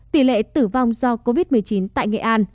tỷ lệ tử vong do covid một mươi chín tại nghệ an